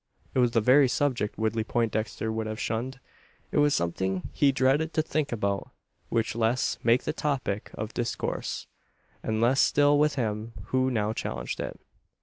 It was the very subject Woodley Poindexter would have shunned. It was something he dreaded to think about, much less make the topic of discourse; and less still with him who now challenged it.